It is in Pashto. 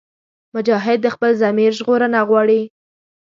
مجاهد د خپل ضمیر ژغورنه غواړي.